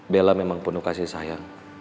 bella memang penuh kasih sayang